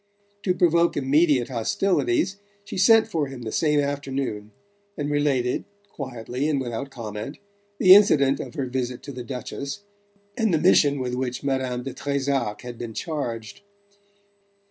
To provoke immediate hostilities she sent for him the same afternoon, and related, quietly and without comment, the incident of her visit to the Duchess, and the mission with which Madame de Trezac had been charged.